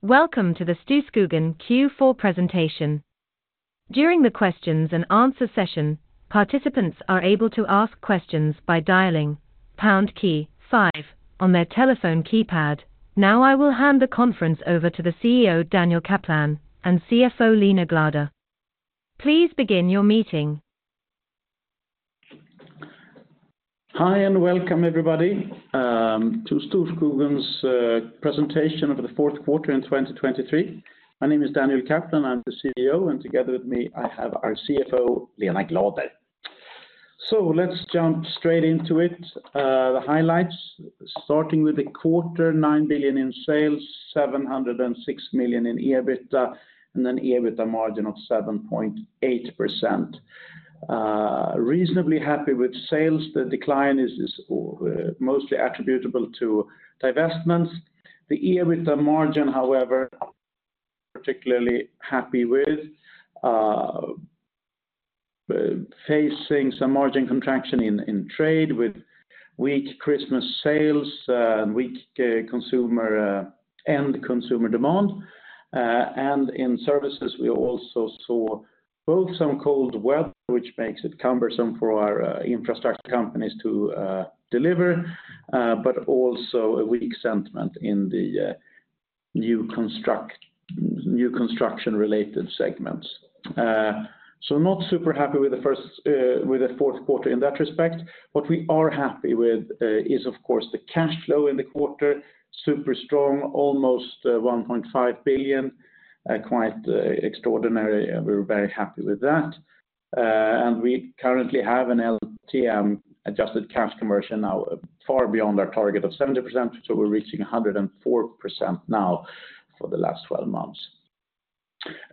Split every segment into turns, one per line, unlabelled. Welcome to the Storskogen Q4 presentation. During the questions and answers session, participants are able to ask questions by dialing pound key five on their telephone keypad. Now I will hand the conference over to the CEO Daniel Kaplan and CFO Lena Glader. Please begin your meeting.
Hi and welcome everybody, to Storskogen's presentation of the fourth quarter in 2023. My name is Daniel Kaplan, I'm the CEO, and together with me I have our CFO Lena Glader. So let's jump straight into it, the highlights, starting with the quarter: 9 billion in sales, 706 million in EBITDA, and an EBITDA margin of 7.8%. Reasonably happy with sales. The decline is mostly attributable to divestments. The EBITDA margin, however, particularly happy with, facing some margin contraction in Trade with weak Christmas sales, and weak consumer end consumer demand. And in Services we also saw both some cold weather, which makes it cumbersome for our Infrastructure companies to deliver, but also a weak sentiment in the new construction-related segments. So not super happy with the fourth quarter in that respect. What we are happy with is of course the cash flow in the quarter. Super strong, almost 1.5 billion. Quite extraordinary. We're very happy with that. And we currently have an LTM adjusted cash conversion now far beyond our target of 70%, so we're reaching 104% now for the last 12 months.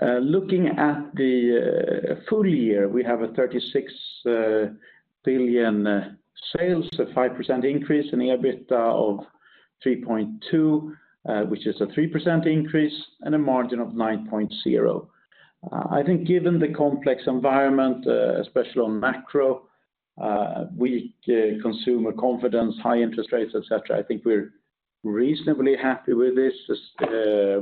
Looking at the full year, we have 36 billion sales, a 5% increase, an EBITDA of 3.2 billion, which is a 3% increase, and a margin of 9.0%. I think given the complex environment, especially on macro, weak consumer confidence, high interest rates, etc., I think we're reasonably happy with this.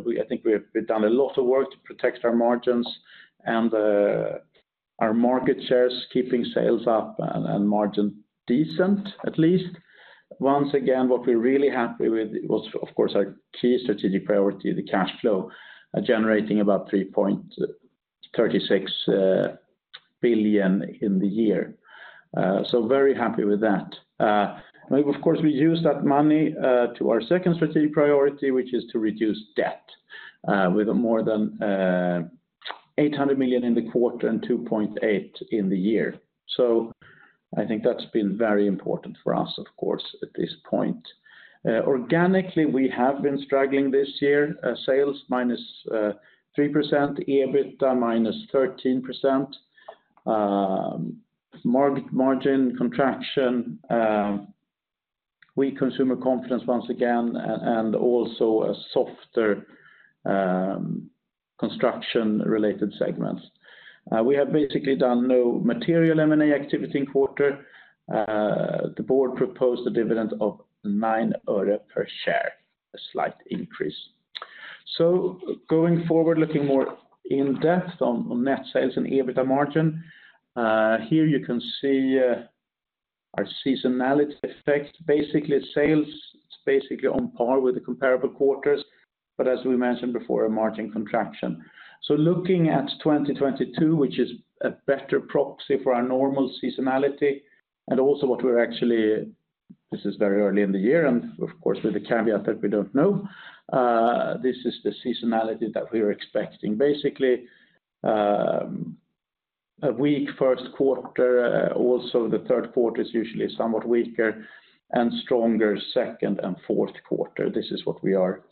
We, I think, we've done a lot of work to protect our margins and our market shares, keeping sales up and margin decent, at least. Once again, what we're really happy with was, of course, our key strategic priority, the cash flow, generating about 3.36 billion in the year. So very happy with that. And of course we use that money to our second strategic priority, which is to reduce debt, with more than 800 million in the quarter and 2.8 billion in the year. So I think that's been very important for us, of course, at this point. Organically we have been struggling this year, sales -3%, EBITDA -13%. Margin contraction, weak consumer confidence once again, and also a softer construction-related segments. We have basically done no material M&A activity in quarter. The board proposed a dividend of SEK 9 per share, a slight increase. So going forward, looking more in depth on net sales and EBITDA margin, here you can see our seasonality effect. Basically sales, it's basically on par with the comparable quarters, but as we mentioned before, a margin contraction. So looking at 2022, which is a better proxy for our normal seasonality, and also what we're actually—this is very early in the year and, of course, with the caveat that we don't know—this is the seasonality that we're expecting. Basically, a weak first quarter, also the third quarter is usually somewhat weaker, and stronger second and fourth quarter. This is what we are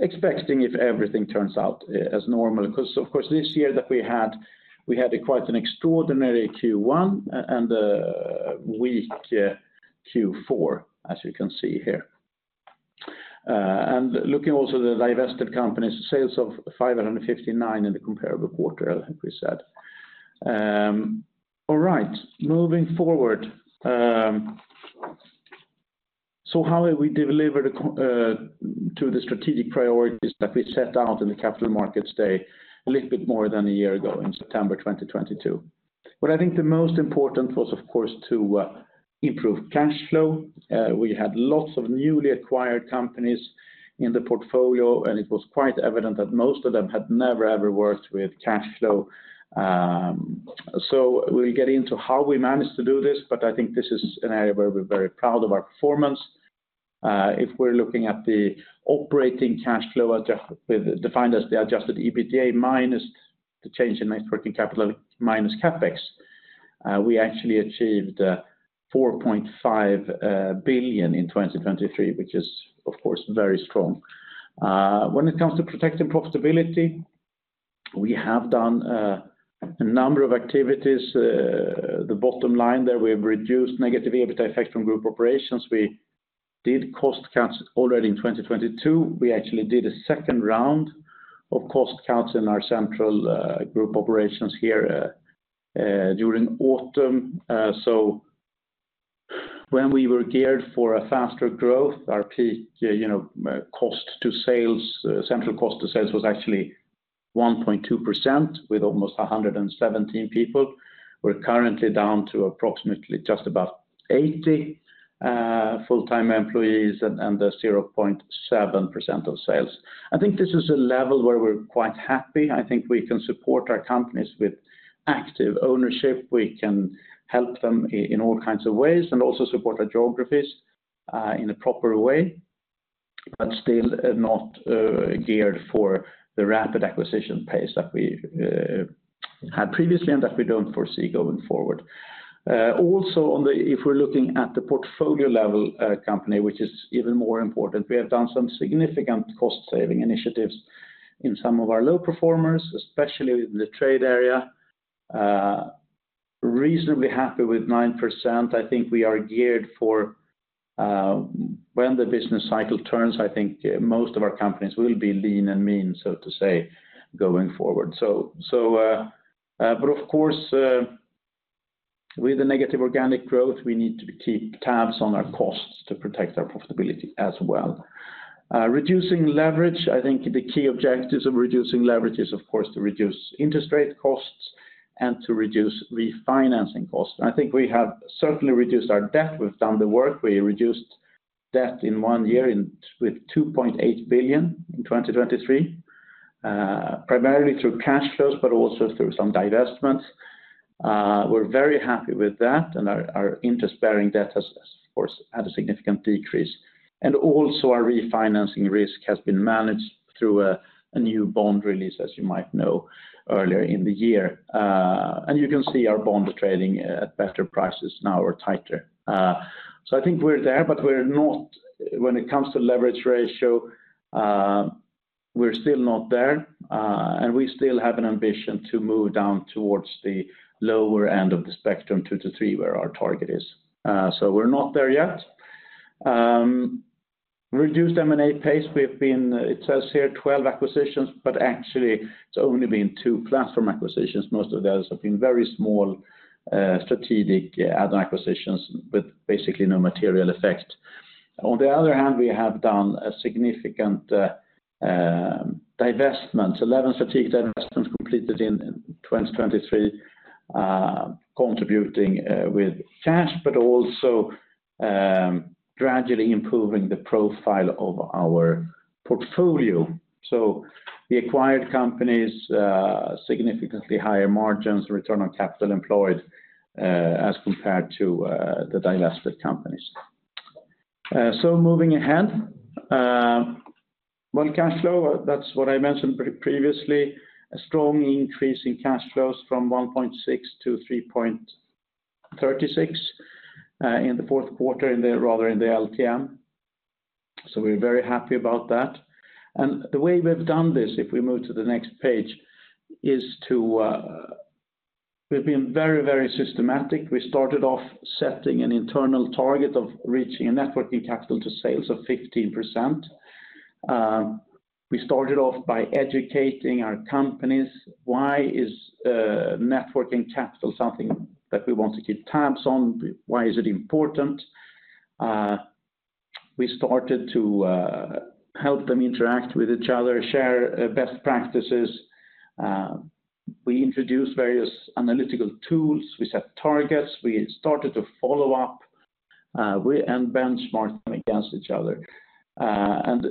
expecting if everything turns out as normal. 'Cause of course this year that we had, we had quite an extraordinary Q1 and a weak Q4, as you can see here. And looking also at the divested companies, sales of 559 in the comparable quarter, like we said. All right. Moving forward, so how have we delivered on the strategic priorities that we set out in the Capital Markets Day a little bit more than a year ago in September 2022? What I think the most important was, of course, to improve cash flow. We had lots of newly acquired companies in the portfolio and it was quite evident that most of them had never, ever worked with cash flow. So we'll get into how we managed to do this, but I think this is an area where we're very proud of our performance. If we're looking at the operating cash flow adjusted as defined as the Adjusted EBITDA minus the change in net working capital minus CapEx, we actually achieved 4.5 billion in 2023, which is, of course, very strong. When it comes to protecting profitability, we have done a number of activities. The bottom line there, we have reduced negative EBITDA effect from group operations. We did cost cuts already in 2022. We actually did a second round of cost cuts in our central group operations here, during autumn. So when we were geared for a faster growth, our peak, you know, cost to sales, central cost to sales was actually 1.2% with almost 117 people. We're currently down to approximately just about 80 full-time employees and a 0.7% of sales. I think this is a level where we're quite happy. I think we can support our companies with active ownership. We can help them in all kinds of ways and also support our geographies, in a proper way, but still not geared for the rapid acquisition pace that we had previously and that we don't foresee going forward. Also, on the, if we're looking at the portfolio level, company, which is even more important, we have done some significant cost saving initiatives in some of our low performers, especially in the Trade area. Reasonably happy with 9%. I think we are geared for, when the business cycle turns, I think most of our companies will be lean and mean, so to say, going forward. So, so, but of course, with the negative organic growth, we need to keep tabs on our costs to protect our profitability as well. Reducing leverage, I think the key objectives of reducing leverage is, of course, to reduce interest rate costs and to reduce refinancing costs. And I think we have certainly reduced our debt. We've done the work. We reduced debt in one year in with 2.8 billion in 2023, primarily through cash flows, but also through some divestments. We're very happy with that and our interest-bearing debt has, of course, had a significant decrease. Also our refinancing risk has been managed through a new bond release, as you might know, earlier in the year. You can see our bond trading at better prices now or tighter. I think we're there, but we're not when it comes to leverage ratio, we're still not there. We still have an ambition to move down towards the lower end of the spectrum, 2-3, where our target is. We're not there yet. Reduced M&A pace. We've been, it says here, 12 acquisitions, but actually it's only been two platform acquisitions. Most of the others have been very small, strategic, add-on acquisitions with basically no material effect. On the other hand, we have done significant divestments, 11 strategic divestments completed in 2023, contributing with cash, but also gradually improving the profile of our portfolio. So we acquired companies, significantly higher margins and return on capital employed, as compared to the divested companies. So moving ahead, well, cash flow, that's what I mentioned previously, a strong increase in cash flows from 1.6 to 3.36, in the fourth quarter rather in the LTM. So we're very happy about that. And the way we've done this, if we move to the next page, is to, we've been very, very systematic. We started off setting an internal target of reaching a net working capital to sales of 15%. We started off by educating our companies. Why is net working capital something that we want to keep tabs on? Why is it important? We started to help them interact with each other, share best practices. We introduced various analytical tools. We set targets. We started to follow up. We began to benchmark them against each other. And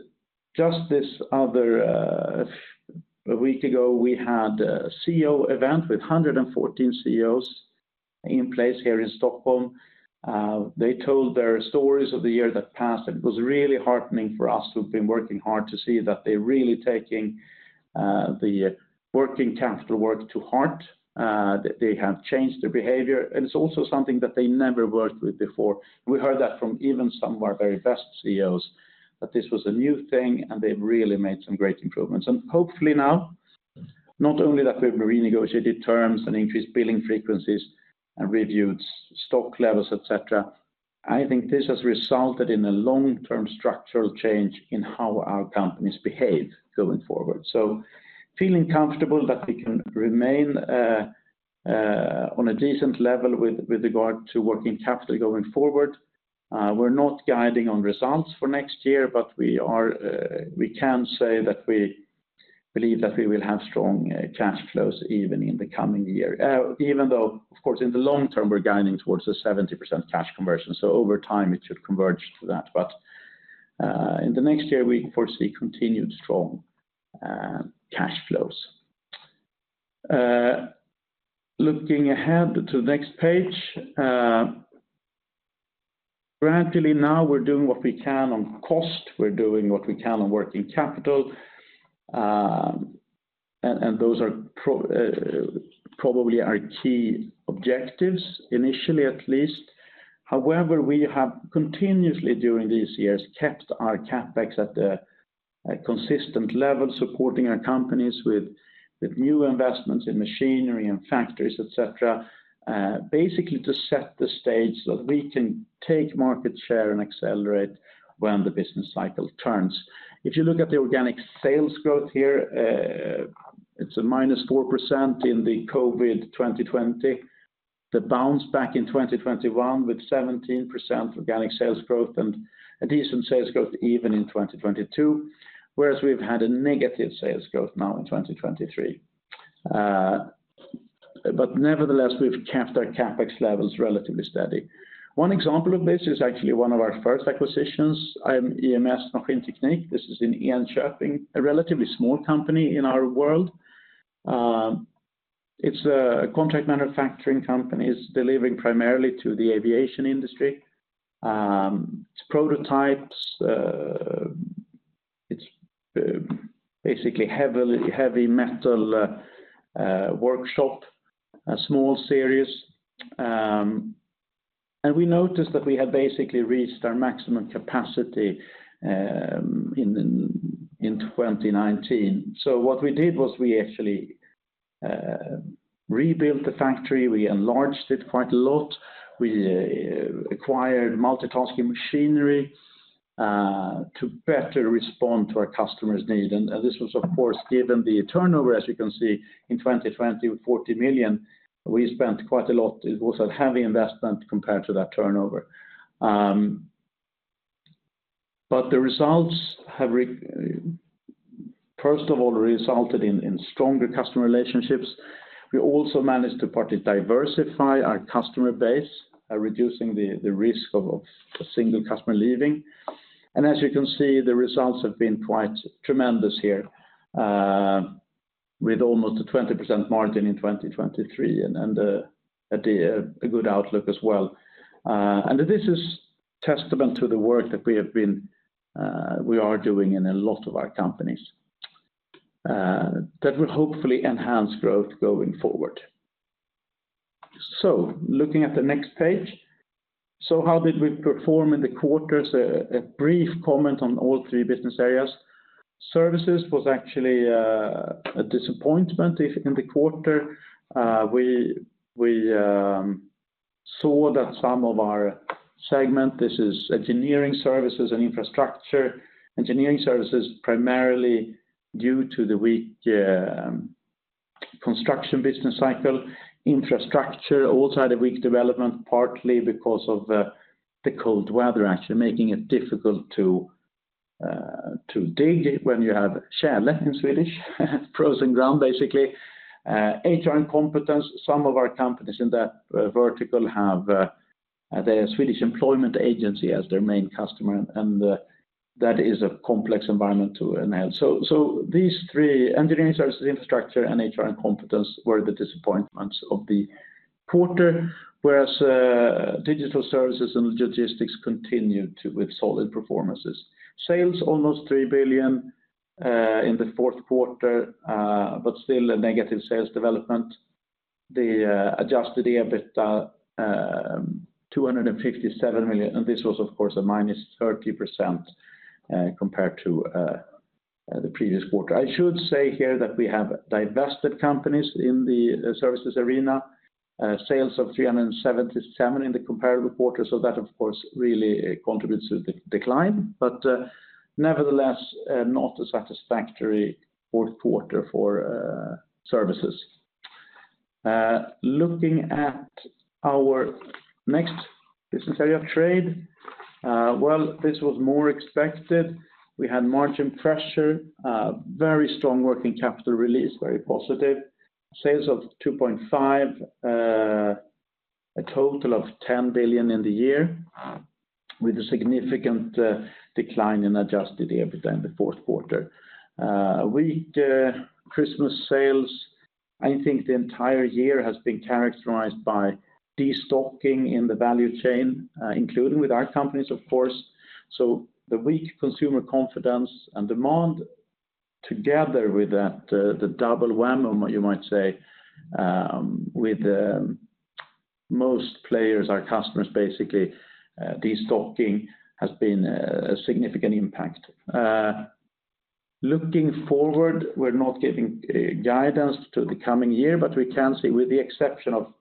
just a week ago we had a CEO event with 114 CEOs in place here in Stockholm. They told their stories of the year that passed and it was really heartening for us. We've been working hard to see that they're really taking the working capital work to heart. They have changed their behavior and it's also something that they never worked with before. We heard that from even some of our very best CEOs, that this was a new thing and they've really made some great improvements. And hopefully now not only that we've renegotiated terms and increased billing frequencies and reviewed stock levels, etc., I think this has resulted in a long-term structural change in how our companies behave going forward. So feeling comfortable that we can remain on a decent level with regard to working capital going forward. We're not guiding on results for next year, but we are; we can say that we believe that we will have strong cash flows even in the coming year, even though, of course, in the long term we're guiding towards a 70% cash conversion. So over time it should converge to that. But in the next year we foresee continued strong cash flows. Looking ahead to the next page, gradually now we're doing what we can on cost. We're doing what we can on working capital. And those are probably our key objectives initially at least. However, we have continuously during these years kept our CapEx at a consistent level, supporting our companies with new investments in machinery and factories, etc., basically to set the stage so that we can take market share and accelerate when the business cycle turns. If you look at the organic sales growth here, it's -4% in the COVID 2020. The bounce back in 2021 with 17% organic sales growth and decent sales growth even in 2022, whereas we've had a negative sales growth now in 2023. But nevertheless we've kept our CapEx levels relatively steady. One example of this is actually one of our first acquisitions. It is IMS Maskinteknik. This is in Enköping, a relatively small company in our world. It's a contract manufacturing company. It's delivering primarily to the aviation industry. It's prototypes. It's basically heavy metal workshop, a small series. And we noticed that we had basically reached our maximum capacity in 2019. So what we did was we actually rebuilt the factory. We enlarged it quite a lot. We acquired multitasking machinery to better respond to our customers' needs. And this was, of course, given the turnover, as you can see, in 2020, 40 million, we spent quite a lot. It was a heavy investment compared to that turnover. But the results have, first of all, resulted in stronger customer relationships. We also managed to partly diversify our customer base, reducing the risk of a single customer leaving. And as you can see, the results have been quite tremendous here, with almost a 20% margin in 2023 and a good outlook as well. This is testament to the work that we have been, we are doing in a lot of our companies, that will hopefully enhance growth going forward. So looking at the next page. So how did we perform in the quarters? A brief comment on all three business areas. Services was actually a disappointment in the quarter. We saw that some of our segments, this is Engineering Services and Infrastructure. Engineering Services primarily due to the weak construction business cycle. Infrastructure also had a weak development partly because of the cold weather actually making it difficult to dig when you have tjäle in Swedish, frozen ground basically. HR segment. Some of our companies in that vertical have the Swedish Employment Agency as their main customer. And that is a complex environment to navigate. So, so these three, Engineering Services, Infrastructure, and HR and Competence were the disappointments of the quarter. Whereas, Digital Services and Logistics continued to with solid performances. Sales, almost 3 billion, in the fourth quarter, but still a negative sales development. The, Adjusted EBITDA, 257 million. And this was, of course, a -30%, compared to, the previous quarter. I should say here that we have divested companies in the, services arena. Sales of 377 million in the comparable quarter. So that, of course, really, contributes to the decline. But, nevertheless, not a satisfactory fourth quarter for, services. Looking at our next business area of Trade, well, this was more expected. We had margin pressure, very strong working capital release, very positive. Sales of 2.5 billion, a total of 10 billion in the year with a significant, decline in Adjusted EBITDA in the fourth quarter. Weak, Christmas sales. I think the entire year has been characterized by destocking in the value chain, including with our companies, of course. So the weak consumer confidence and demand together with that, the double whammy, you might say, with most players, our customers basically, destocking has been a significant impact. Looking forward, we're not giving guidance to the coming year, but we can see with the exception of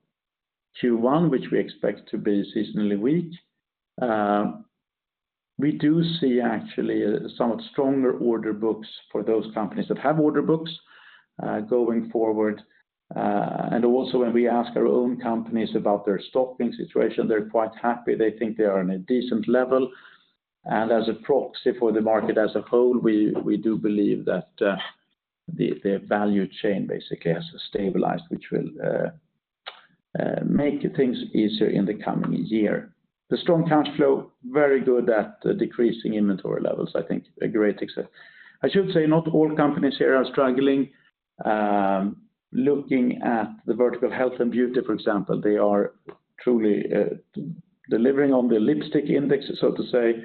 Q1, which we expect to be seasonally weak, we do see actually somewhat stronger order books for those companies that have order books, going forward. And also when we ask our own companies about their stocking situation, they're quite happy. They think they are on a decent level. And as a proxy for the market as a whole, we do believe that the value chain basically has stabilized, which will make things easier in the coming year. The strong cash flow, very good at decreasing inventory levels, I think a great exception, I should say not all companies here are struggling. Looking at the vertical Health and Beauty, for example, they are truly, delivering on the Lipstick Index, so to say,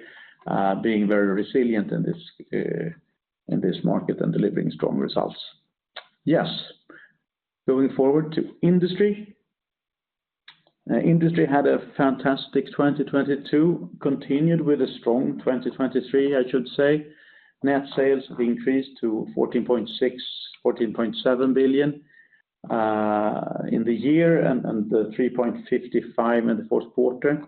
being very resilient in this, in this market and delivering strong results. Yes. Going forward to Industry. Industry had a fantastic 2022, continued with a strong 2023, I should say. Net sales have increased to 14.6-14.7 billion in the year and, and 3.55 billion in the fourth quarter.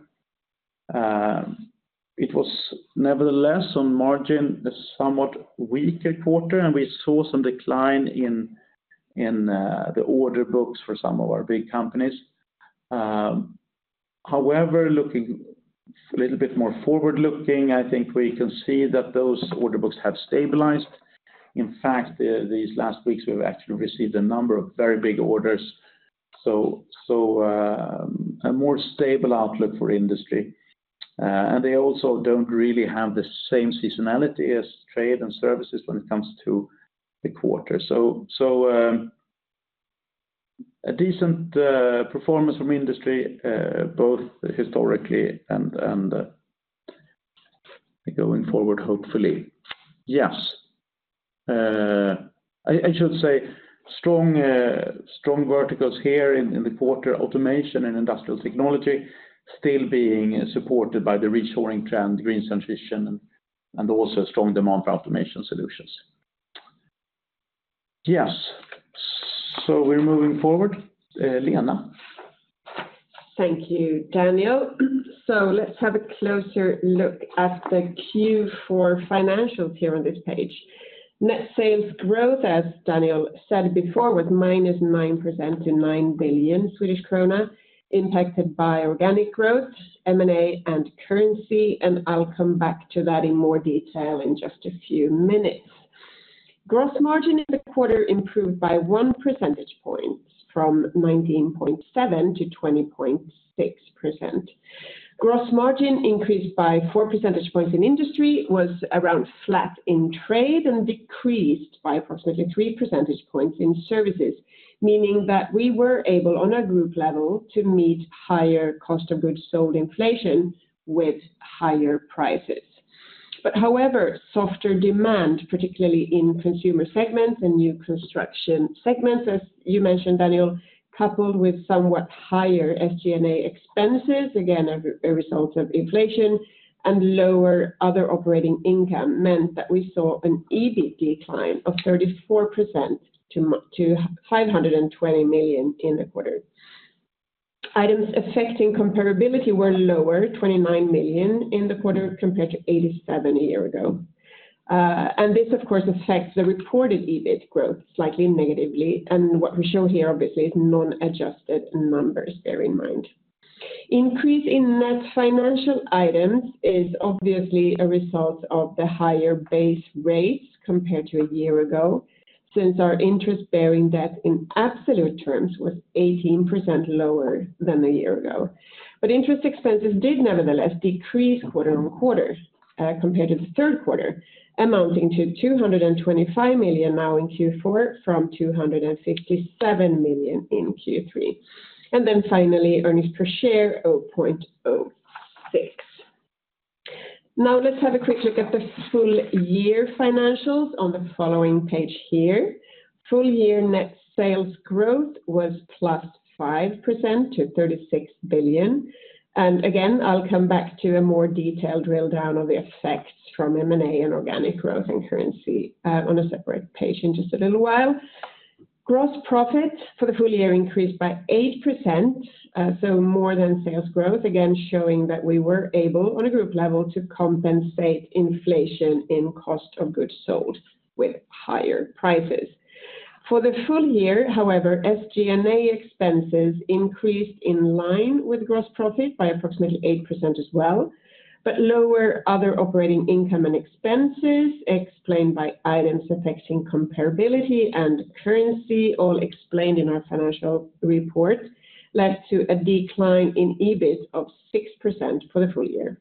It was nevertheless on margin, a somewhat weaker quarter, and we saw some decline in, in, the order books for some of our big companies. However, looking a little bit more forward looking, I think we can see that those order books have stabilized. In fact, these last weeks we've actually received a number of very big orders. So, a more stable outlook for Industry. And they also don't really have the same seasonality as Trade and Services when it comes to the quarter. So, a decent performance from Industry, both historically and going forward hopefully. Yes. I should say strong verticals here in the quarter, Automation and Industrial Technology still being supported by the reshoring trend, green transition, and also strong demand for Automation solutions. Yes. So we're moving forward. Lena.
Thank you, Daniel. So let's have a closer look at the Q4 financials here on this page. Net sales growth, as Daniel said before, was -9% to 9 billion Swedish krona, impacted by organic growth, M&A and currency, and I'll come back to that in more detail in just a few minutes. Gross margin in the quarter improved by one percentage point from 19.7% to 20.6%. Gross margin increased by four percentage points in Industry, was around flat in Trade, and decreased by approximately three percentage points in Services, meaning that we were able on a group level to meet higher cost of goods sold inflation with higher prices. But however, softer demand, particularly in consumer segments and new construction segments, as you mentioned, Daniel, coupled with somewhat higher SG&A expenses, again, a result of inflation, and lower other operating income meant that we saw an EBIT decline of 34% to 520 million in the quarter. Items affecting comparability were lower, 29 million in the quarter compared to 87 million a year ago, and this, of course, affects the reported EBIT growth slightly negatively. What we show here, obviously, is non-adjusted numbers, bear in mind. Increase in net financial items is obviously a result of the higher base rates compared to a year ago since our interest bearing debt in absolute terms was 18% lower than a year ago. But interest expenses did nevertheless decrease quarter-on-quarter, compared to the third quarter, amounting to 225 million now in Q4 from 257 million in Q3. And then finally, earnings per share, 0.06. Now let's have a quick look at the full year financials on the following page here. Full year net sales growth was +5% to 36 billion. And again, I'll come back to a more detailed drill down of the effects from M&A and organic growth and currency, on a separate page in just a little while. Gross profit for the full year increased by 8%, so more than sales growth, again showing that we were able on a group level to compensate inflation in cost of goods sold with higher prices. For the full year, however, SG&A expenses increased in line with gross profit by approximately 8% as well, but lower other operating income and expenses explained by items affecting comparability and currency, all explained in our financial report, led to a decline in EBIT of 6% for the full year.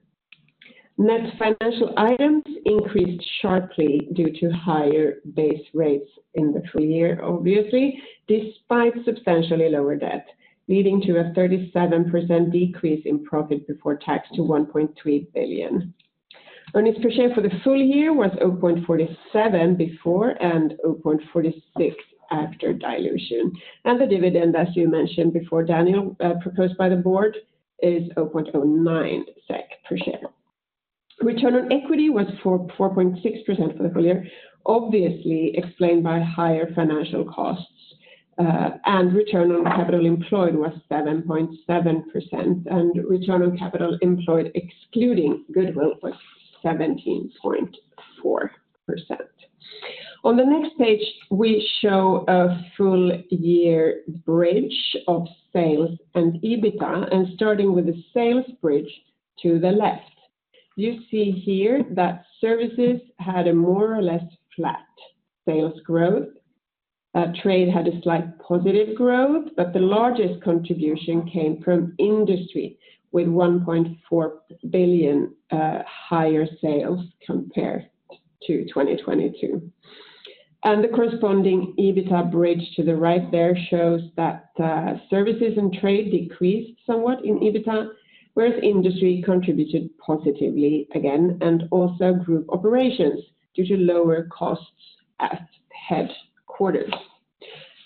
Net financial items increased sharply due to higher base rates in the full year, obviously, despite substantially lower debt, leading to a 37% decrease in profit before tax to 1.3 billion. Earnings per share for the full year was 0.47 before and 0.46 after dilution. The dividend, as you mentioned before, Daniel, proposed by the board is 0.09 SEK per share. Return on equity was 4.6% for the full year, obviously explained by higher financial costs, and return on capital employed was 7.7%. Return on capital employed excluding goodwill was 17.4%. On the next page, we show a full year bridge of sales and EBITDA, and starting with the sales bridge to the left. You see here that Services had a more or less flat sales growth. Trade had a slight positive growth, but the largest contribution came from Industry with 1.4 billion higher sales compared to 2022. The corresponding EBITDA bridge to the right there shows that, Services and Trade decreased somewhat in EBITDA, whereas Industry contributed positively again and also group operations due to lower costs at headquarters.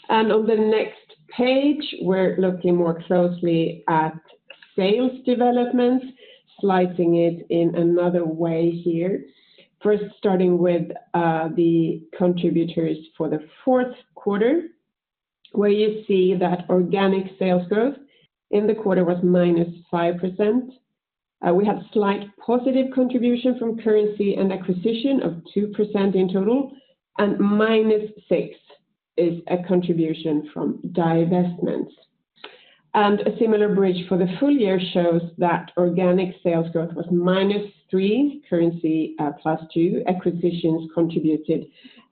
And on the next page, we're looking more closely at sales developments, slicing it in another way here, first starting with the contributors for the fourth quarter, where you see that organic sales growth in the quarter was -5%. We had slight positive contribution from currency and acquisition of 2% in total, and -6% is a contribution from divestments. And a similar bridge for the full year shows that organic sales growth was -3%, currency +2%. Acquisitions contributed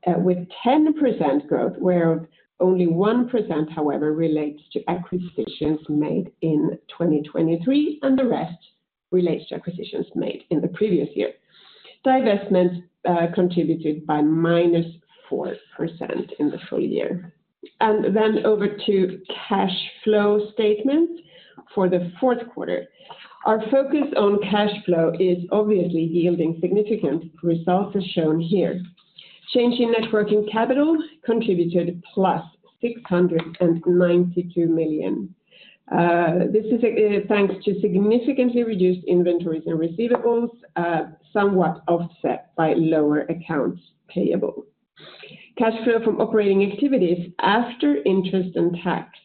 with 10% growth, whereof only 1% however relates to acquisitions made in 2023, and the rest relates to acquisitions made in the previous year. Divestments contributed by -4% in the full year. And then over to cash flow statements for the fourth quarter. Our focus on cash flow is obviously yielding significant results, as shown here. Change in net working capital contributed +692 million. This is, thanks to significantly reduced inventories and receivables, somewhat offset by lower accounts payable. Cash flow from operating activities after interest and tax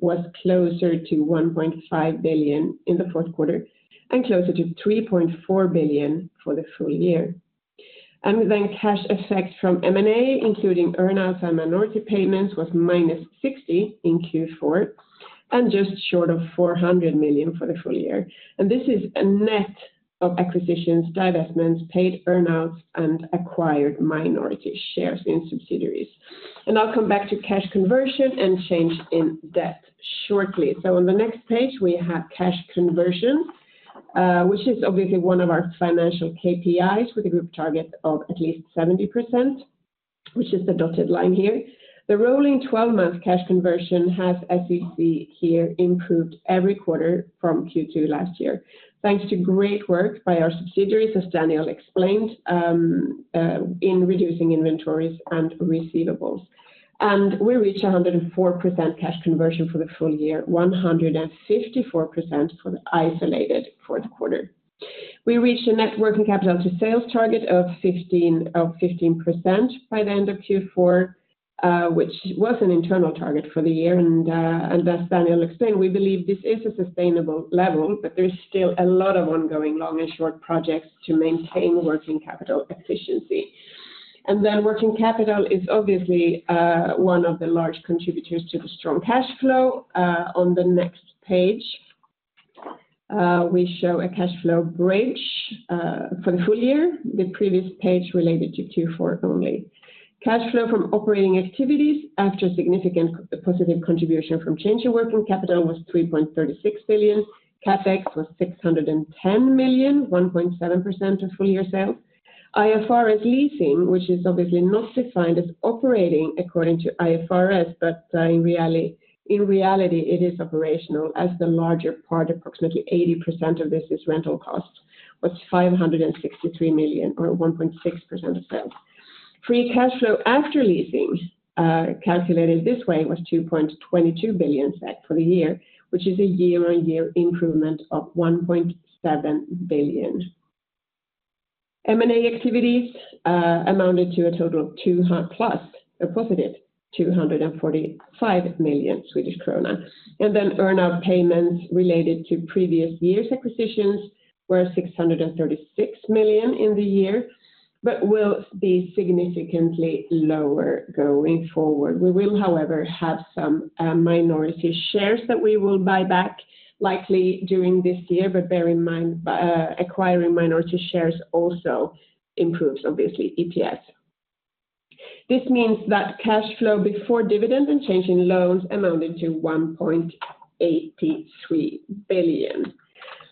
was closer to 1.5 billion in the fourth quarter and closer to 3.4 billion for the full year. Then cash effect from M&A, including earnouts and minority payments, was -60% in Q4 and just short of 400 million for the full year. And this is a net of acquisitions, divestments, paid earnouts, and acquired minority shares in subsidiaries. And I'll come back to cash conversion and change in debt shortly. So on the next page, we have cash conversion, which is obviously one of our financial KPIs with a group target of at least 70%, which is the dotted line here. The rolling 12-month cash conversion has, as you see here, improved every quarter from Q2 last year, thanks to great work by our subsidiaries, as Daniel explained, in reducing inventories and receivables. We reached 104% cash conversion for the full year, 154% for the isolated fourth quarter. We reached a net working capital to sales target of 15% by the end of Q4, which was an internal target for the year. As Daniel explained, we believe this is a sustainable level, but there's still a lot of ongoing long and short projects to maintain working capital efficiency. Working capital is obviously one of the large contributors to the strong cash flow. On the next page, we show a cash flow bridge for the full year. The previous page related to Q4 only. Cash flow from operating activities after significant positive contribution from change in working capital was 3.36 billion. CapEx was 610 million, 1.7% of full year sales. IFRS leasing, which is obviously not defined as operating according to IFRS, but, in reality, in reality, it is operational, as the larger part, approximately 80% of this is rental costs, was 563 million or 1.6% of sales. Free cash flow after leasing, calculated this way, was 2.22 billion SEK for the year, which is a year-on-year improvement of 1.7 billion. M&A activities amounted to a total of 200+, a positive 245 million Swedish krona. And then earnout payments related to previous year's acquisitions were 636 million in the year, but will be significantly lower going forward. We will, however, have some minority shares that we will buy back likely during this year, but bear in mind, acquiring minority shares also improves, obviously, EPS. This means that cash flow before dividend and change in loans amounted to 1.83 billion.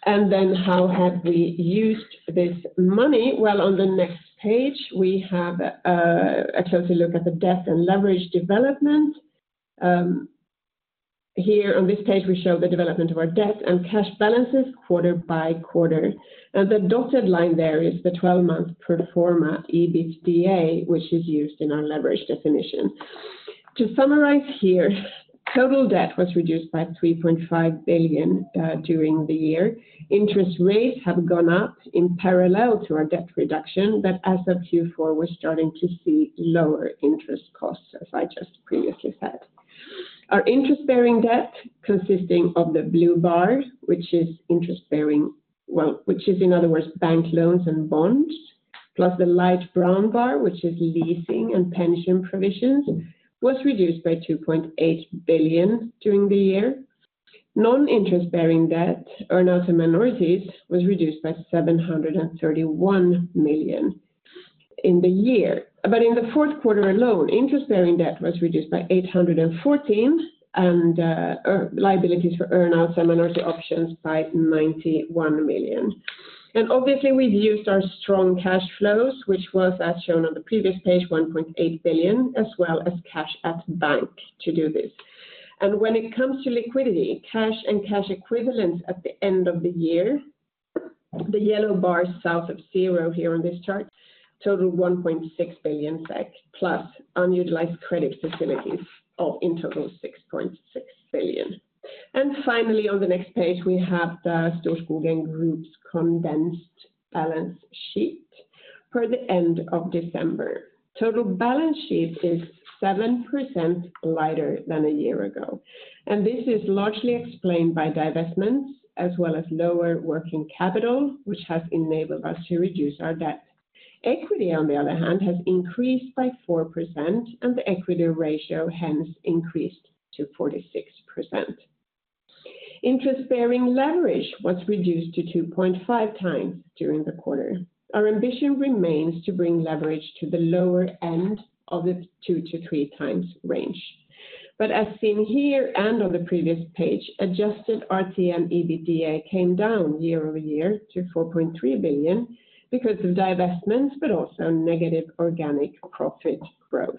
And then how have we used this money? Well, on the next page, we have a closer look at the debt and leverage development. Here on this page, we show the development of our debt and cash balances quarter by quarter. And the dotted line there is the 12-month pro forma EBITDA, which is used in our leverage definition. To summarize here, total debt was reduced by 3.5 billion during the year. Interest rates have gone up in parallel to our debt reduction, but as of Q4, we're starting to see lower interest costs, as I just previously said. Our interest bearing debt, consisting of the blue bar, which is interest bearing, well, which is in other words, bank loans and bonds, plus the light brown bar, which is leasing and pension provisions, was reduced by 2.8 billion during the year. Non-interest bearing debt, earnouts and minorities, was reduced by 731 million in the year. But in the fourth quarter alone, interest bearing debt was reduced by 814 million and, or liabilities for earnouts and minority options by 91 million. And obviously, we've used our strong cash flows, which was, as shown on the previous page, 1.8 billion, as well as cash at bank to do this. And when it comes to liquidity, cash and cash equivalents at the end of the year, the yellow bar south of zero here on this chart, totaled 1.6 billion SEK plus unutilized credit facilities of in total 6.6 billion. Finally, on the next page, we have the Storskogen Group's condensed balance sheet per the end of December. Total balance sheet is 7% lighter than a year ago. This is largely explained by divestments as well as lower working capital, which has enabled us to reduce our debt. Equity, on the other hand, has increased by 4%, and the equity ratio hence increased to 46%. Interest bearing leverage was reduced to 2.5 times during the quarter. Our ambition remains to bring leverage to the lower end of the 2-3 times range. But as seen here and on the previous page, Adjusted LTM EBITDA came down year-over-year to 4.3 billion because of divestments, but also negative organic profit growth.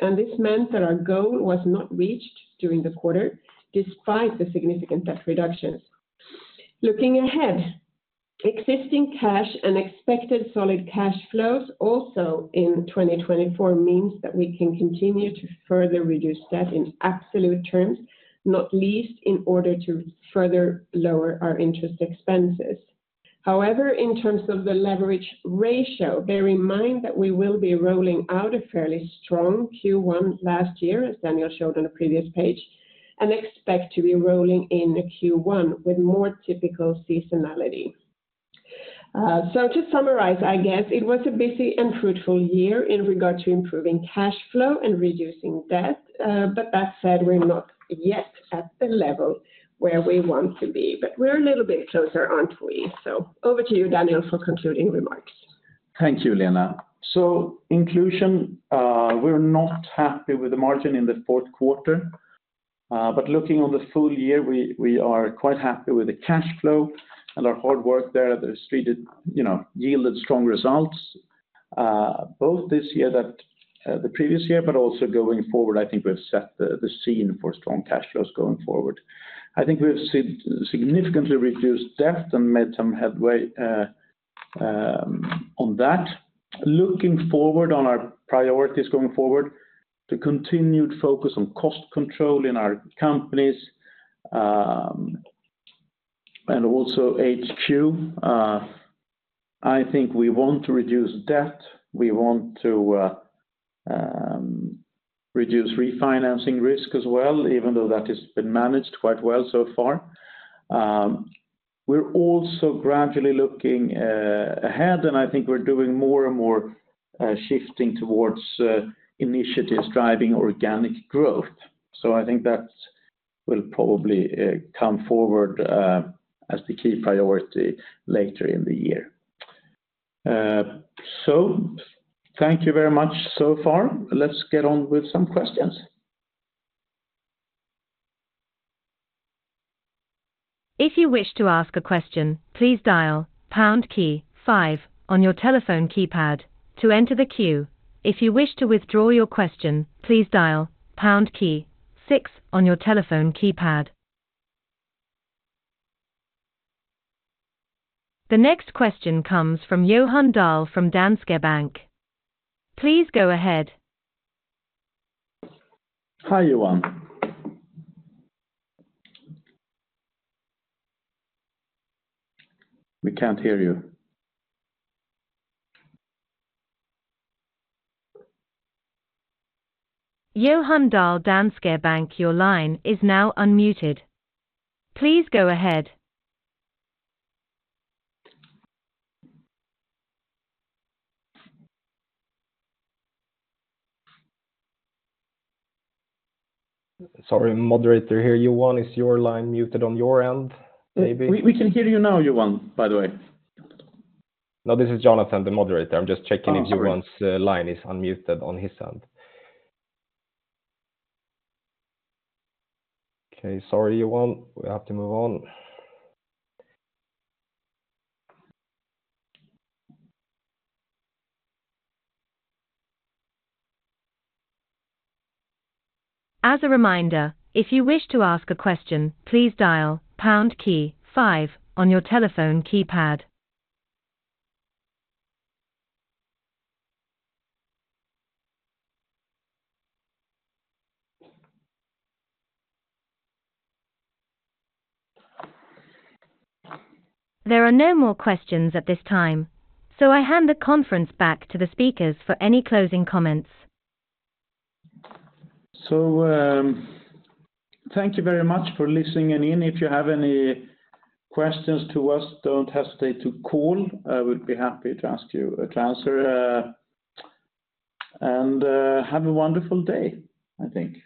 This meant that our goal was not reached during the quarter despite the significant debt reductions. Looking ahead, existing cash and expected solid cash flows also in 2024 means that we can continue to further reduce debt in absolute terms, not least in order to further lower our interest expenses. However, in terms of the leverage ratio, bear in mind that we will be rolling out a fairly strong Q1 last year, as Daniel showed on the previous page, and expect to be rolling in Q1 with more typical seasonality. So to summarize, I guess it was a busy and fruitful year in regard to improving cash flow and reducing debt. But that said, we're not yet at the level where we want to be, but we're a little bit closer, aren't we? So over to you, Daniel, for concluding remarks.
Thank you, Lena. So in conclusion, we're not happy with the margin in the fourth quarter. Looking on the full year, we are quite happy with the cash flow and our hard work there. They've treated, you know, yielded strong results, both this year, the previous year, but also going forward. I think we've set the scene for strong cash flows going forward. I think we've significantly reduced debt and made some headway on that. Looking forward on our priorities going forward, the continued focus on cost control in our companies, and also HQ. I think we want to reduce debt. We want to reduce refinancing risk as well, even though that has been managed quite well so far. We're also gradually looking ahead, and I think we're doing more and more shifting towards initiatives driving organic growth. So I think that will probably come forward as the key priority later in the year. So thank you very much so far, let's get on with some questions.
If you wish to ask a question, please dial pound key five on your telephone keypad to enter the queue. If you wish to withdraw your question, please dial pound key six on your telephone keypad. The next question comes from Johan Dahl from Danske Bank. Please go ahead.
Hi, Johan. We can't hear you.
Johan Dahl, Danske Bank, your line is now unmuted. Please go ahead.
Sorry, moderator here.
Johan, is your line muted on your end, maybe? We, we can hear you now, Johan, by the way.
No, this is Jonathan, the moderator. I'm just checking if Johan's line is unmuted on his end.
Okay, sorry, Johan. We have to move on.
As a reminder, if you wish to ask a question, please dial pound key five on your telephone keypad. There are no more questions at this time, so I hand the conference back to the speakers for any closing comments. So, thank you very much for listening in. If you have any questions to us, don't hesitate to call. I would be happy to answer. And have a wonderful day, I think.